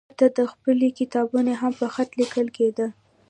حتی د پخلي کتابونه هم په خط لیکل کېدل.